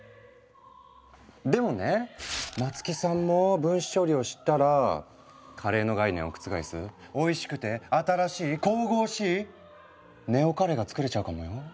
でもね松木さんも分子調理を知ったらカレーの概念を覆すおいしくて新しい神々しいネオカレーが作れちゃうかもよ。